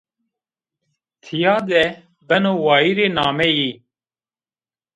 Tîya de beno wayîrê nameyî.